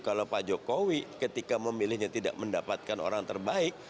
kalau pak jokowi ketika memilihnya tidak mendapatkan orang terbaik